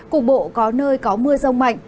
cục bộ có nơi có mưa rông mạnh